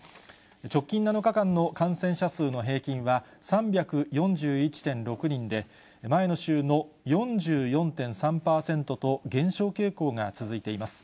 直近７日間の感染者数の平均は、３４１．６人で、前の週の４４．３％と、減少傾向が続いています。